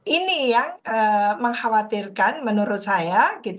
ini yang mengkhawatirkan menurut saya